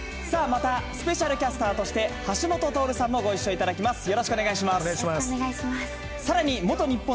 さあ、またスペシャルキャスターとして橋下徹さんもご一緒いただきます。